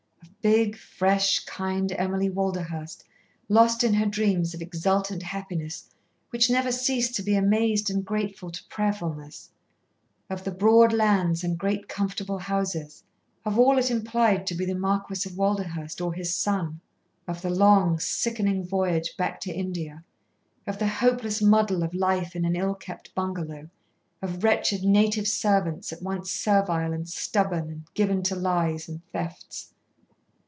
Of big, fresh, kind Emily Walderhurst lost in her dreams of exultant happiness which never ceased to be amazed and grateful to prayerfulness; of the broad lands and great, comfortable houses; of all it implied to be the Marquis of Walderhurst or his son; of the long, sickening voyage back to India; of the hopeless muddle of life in an ill kept bungalow; of wretched native servants, at once servile and stubborn and given to lies and thefts.